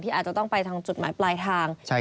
อาจจะต้องไปทางจุดหมายปลายทาง